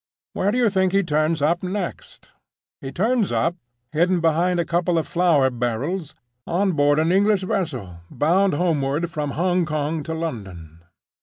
Where do you think he turns up next? He turns up, hidden behind a couple of flour barrels, on board an English vessel bound homeward from Hong Kong to London.